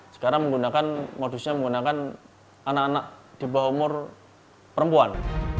sekarang menggunakan modusnya menggunakan anak anak di bawah umur perempuan